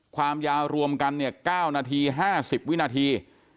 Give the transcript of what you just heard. ความยาวรวมกันเนี่ย๙นาที๕๐วินาที